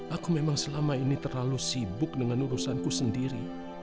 aku memang selama ini terlalu sibuk dengan urusanku sendiri